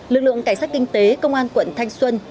lực lượng cảnh sát kinh tế công an quận thanh xuân